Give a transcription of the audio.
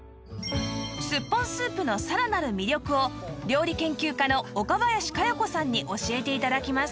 すっぽんスープのさらなる魅力を料理研究家の岡林香代子さんに教えて頂きます